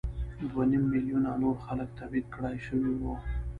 دوه نیم میلیونه نور خلک تبعید کړای شوي وو.